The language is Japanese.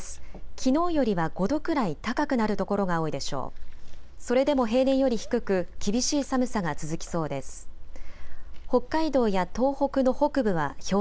きのうよりは５度くらい高くなる所が多いでしょう。